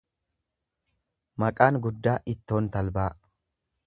Maqaan guddaa, ittoon talbaa.